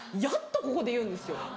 やっとここで言うんですよ。